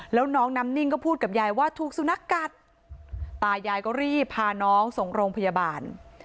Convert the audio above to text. แล้วน้องน้ำนิ่งก็พูดกับยายว่าถูกสุนัขกัดตายายก็รีบพาน้องส่งโรงพยาบาล